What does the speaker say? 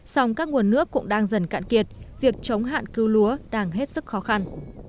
song các nguồn nước cũng đang dần cạn kiệt việc chống hạn cứu lúa đang hết sức khó khăn